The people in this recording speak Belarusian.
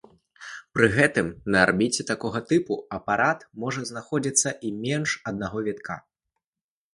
Пры гэтым на арбіце такога тыпу апарат можа знаходзіцца і менш аднаго вітка.